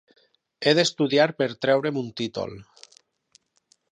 He d'estudiar per treure'm un títol.